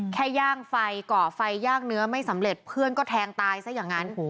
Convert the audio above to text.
ย่างไฟก่อไฟย่างเนื้อไม่สำเร็จเพื่อนก็แทงตายซะอย่างนั้น